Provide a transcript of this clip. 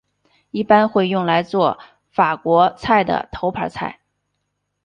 一般会用来作法国菜的头盘菜。